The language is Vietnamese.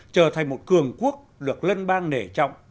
trở thành một cường quốc được liên bang nể trọng